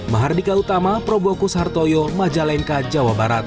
mahardika utama probokus hartoyo majalengka jawa barat